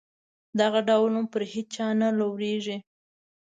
دغه ډول نوم پر هیچا نه لورېږي.